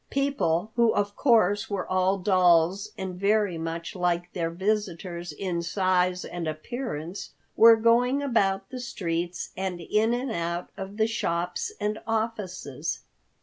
People—who, of course, were all dolls and very much like their visitors in size and appearance—were going about the streets and in and out of the shops and offices.